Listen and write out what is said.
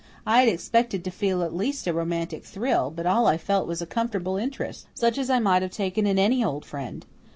I had expected to feel at least a romantic thrill, but all I felt was a comfortable interest, such as I might have taken in any old friend.